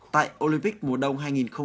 tại olympic mùa đông hai nghìn một mươi tám